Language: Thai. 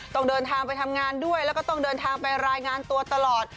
ต้องเดินทางไปทำงานด้วยแล้วก็ต้องเดินทางไปรายงานตัวตลอด